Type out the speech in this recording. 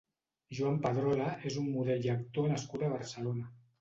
Joan Pedrola és un model i actor nascut a Barcelona.